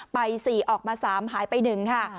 ไป๔ออกมา๓หายไป๑ค่ะ